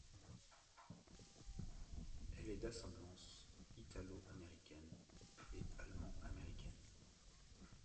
Elle est d’ascendances italo-américaine et allemand-américaine.